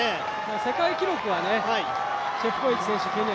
世界記録はチェプコエチ選手